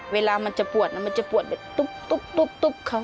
เวลามันจะปวดมันจะปวดแบบตุ๊บเขา